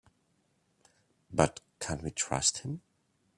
But can we trust him?